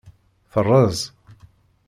Teṛṛeẓ.